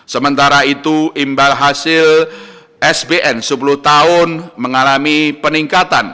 sementara itu imbal hasil sbn sepuluh tahun mengalami peningkatan